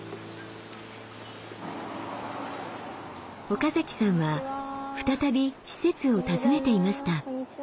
岡崎さんは再び施設を訪ねていました。